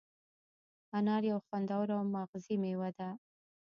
انار یو خوندور او مغذي مېوه ده.